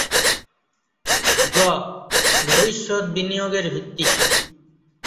গ. ভবিষ্যৎ বিনিয়োগের ভিত্তি